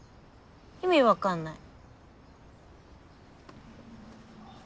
意味わかんない。